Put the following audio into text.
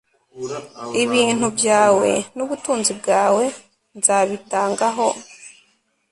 ibintu byawe n ubutunzi bwawe nzabitanga ho